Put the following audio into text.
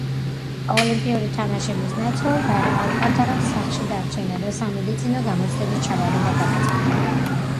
ოლიმპიური თამაშების ნაცვლად ალკანტარამ სახლში დარჩენა და სამედიცინო გამოცდების ჩაბარება გადაწყვიტა.